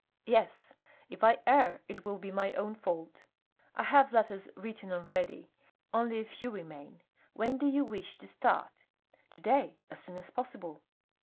"Yes. If I err, it will be my own fault." "I have letters written already; only a few remain. When do you wish to start?" "To day! As soon as possible."